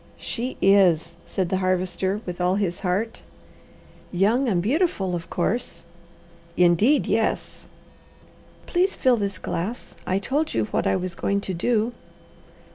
"She is!" said the Harvester, with all his heart. "Young and beautiful, of course!" "Indeed yes!" "Please fill this glass. I told you what I was going to do."